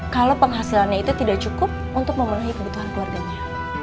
kalau penghasilannya itu tidak cukup untuk memenuhi kebutuhan keluarganya